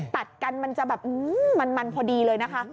ตัดกันมันจะแบบมันพอดีเลยนะคะ